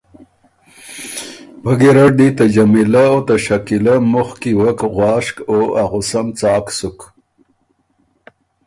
پۀ ګېرډ دی ته جمیلۀ او ته شکیلۀ مخکی وک غواشک او ا غصۀ ن څاک سُک۔